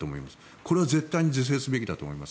これは絶対に是正すべきだと思います。